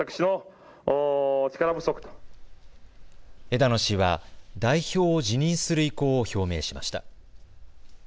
枝野氏は代表を辞任する意向を表明しました。